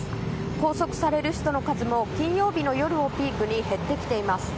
拘束される人の数も金曜日の夜をピークに減ってきています。